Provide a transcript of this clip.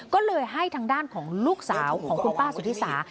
ก็เลยให้ทางด้านของลูกสาวของคุณป้าสุธิสา